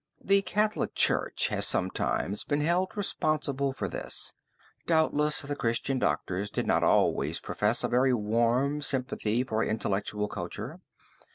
The Catholic Church has sometimes been held responsible for this. Doubtless the Christian doctors did not always profess a very warm sympathy for intellectual culture.